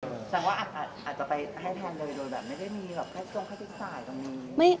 ฉันว่าอาจจะไปให้แทนเลยโดยแบบไม่ได้มีแบบแค่ตรงคติศาสตร์ตรงนี้